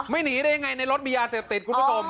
ไม่หนีได้ยังไงในรถมียาจะติด